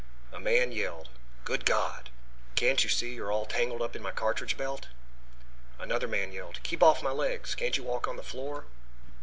A man yelled: "Good God, can't you see you're all tangled up in my cartridge belt?" Another man yelled: "Keep off my legs! Can't you walk on the floor?"